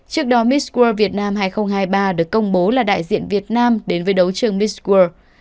trước đó miss world việt nam hai nghìn hai mươi ba được công bố là đại diện việt nam đến với đấu trường miss world